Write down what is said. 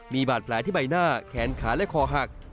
มีบาดแผลที่ใบหน้าแขนขาและคอหัก